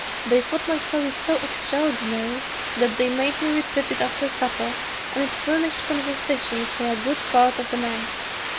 They thought my story so extraordinary, that they made me repeat it after supper, and it furnished conversation for a good part of the night.